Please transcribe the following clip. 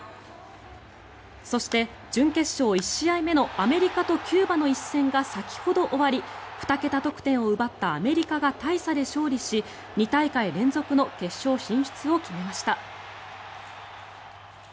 そして、準決勝１試合目のアメリカとキューバの一戦が先ほど終わり２桁得点を奪ったアメリカが大差で勝利し、２大会連続の決勝進出を決めました。